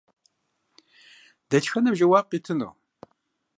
Дэтхэнэм жэуап къитыну?